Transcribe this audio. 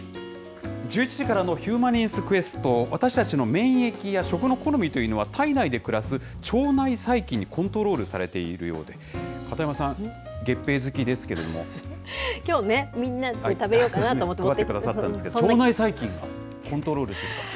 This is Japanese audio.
１１時からのヒューマニエンスＱ、私たちの免疫や食の好みというのは、体内で暮らす腸内細菌にコントロールされているようで、片山きょうね、みんなで食べよう持ってきてくださったんですけど、腸内細菌がコントロールしてた。